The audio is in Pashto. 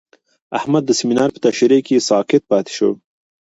احمد د سمینار په تشریح کې ساکت پاتې شو.